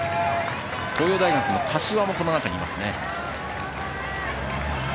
東洋大学、柏もこの中にいます。